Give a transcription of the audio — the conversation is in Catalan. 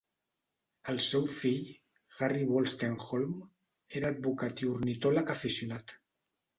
El seu fill, Harry Wolstenholme, era advocat i ornitòleg aficionat.